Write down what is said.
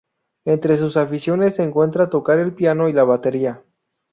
Entre sus aficiones se encuentran tocar el piano y la batería.